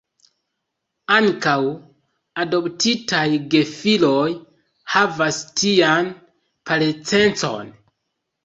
Ankaŭ adoptitaj gefiloj havas tian parencecon.